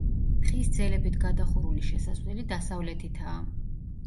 ხის ძელებით გადახურული შესასვლელი დასავლეთითაა.